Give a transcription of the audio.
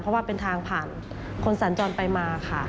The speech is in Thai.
เพราะว่าเป็นทางผ่านคนสัญจรไปมาค่ะ